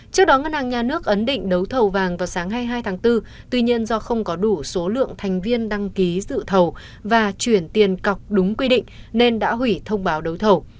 trước đó ngân hàng nhà nước ấn định đấu thầu vàng vào sáng hai mươi hai tháng bốn tuy nhiên do không có đủ số lượng thành viên đăng ký dự thầu và chuyển tiền cọc đúng quy định nên đã hủy thông báo đấu thầu